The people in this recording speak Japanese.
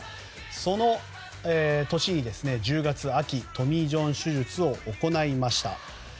その年の１０月にトミー・ジョン手術を行いました。